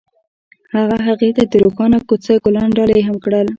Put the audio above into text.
هغه هغې ته د روښانه کوڅه ګلان ډالۍ هم کړل.